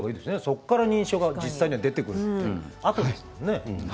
そこから認知症が出てくるあとですものね。